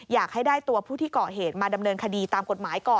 อยากให้ได้ตัวผู้ที่เกาะเหตุมาดำเนินคดีตามกฎหมายก่อน